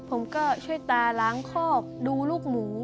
ผมก็ช่วยตาล้างคอกดูลูกหมู